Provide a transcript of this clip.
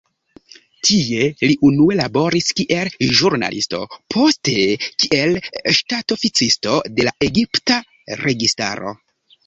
Tie li unue laboris kiel ĵurnalisto, poste kiel ŝtatoficisto de la egipta registaro.